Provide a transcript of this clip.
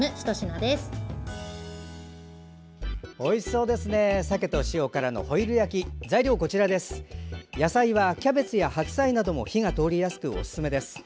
野菜はキャベツや白菜なども火が通りやすく、おすすめです。